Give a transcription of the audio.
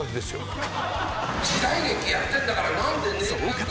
時代劇やってんだからなんでネイル。